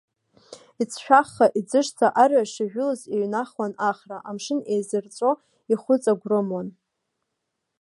Иӡшәахха, иӡышӡа, арҩаш ижәылоз еиҩнахуан ахра, амшын еизырҵәо ихәыҵагәрымуан.